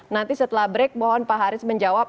nanti setelah break mohon pak haris menjawab